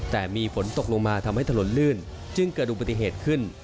แต่มีฝนตกลงมาทำให้ถนนลื่นจึงเกิดอุบัติเหตุขึ้น